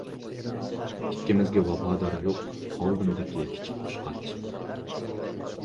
ئىككىمىزگە ۋاپادار يوق، ئالدىمدىكى كىچىك قۇشقاچ.